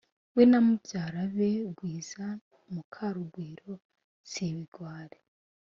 We na babyara be gwiza na mukarugwiro si ibigwari